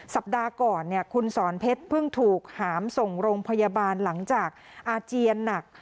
สัปดาห์ก่อนคุณสอนเพชรเพิ่งถูกหามส่งโรงพยาบาลหลังจากอาเจียนหนัก